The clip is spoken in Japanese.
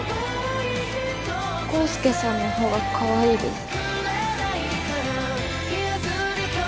康介さんのほうがかわいいです。